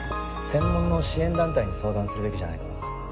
専門の支援団体に相談するべきじゃないかな。